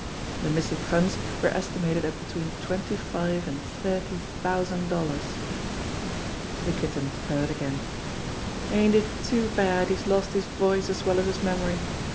The missing funds were estimated at between twenty five and thirty thousand dollars. The Kitten purred again : "Ain't it too bad he's lost his voice as well as his memory